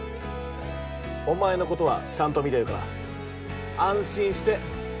お前のことはちゃんと見てるから安心してトライしろ。